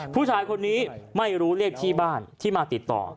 ผู้ชายคนนี้ไม่รู้เลขที่บ้านที่มาติดต่อ